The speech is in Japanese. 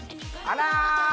あら！